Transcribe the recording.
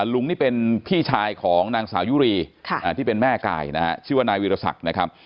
ลุงนี่เป็นพี่ชายของนางสาวยุรีที่เป็นแม่กายนะฮะชื่อว่านายวิรสักนะครับ